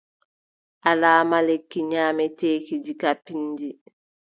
Alaama lekki nyaameteeki diga pinndi.